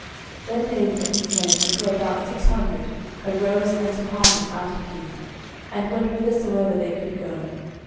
09:023:013 Then David and his men, which were about six hundred, arose and departed out of Keilah, and went whithersoever they could go.